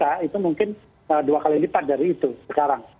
dan kita itu mungkin dua kali lipat dari itu sekarang